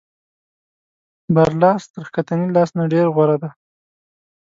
بر لاس تر ښکتني لاس نه ډېر غوره دی.